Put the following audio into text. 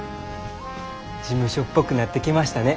事務所っぽくなってきましたね。